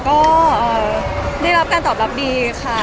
ก็ได้รับการตอบรับดีค่ะ